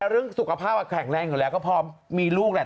เรื่องสุขภาพแข็งแรงอยู่แล้วก็พอมีลูกแหละ